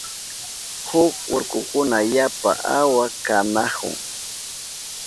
huk urkukuna yapa awa kanahun.